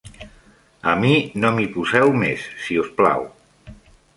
A mi no m'hi poseu més, si us plau.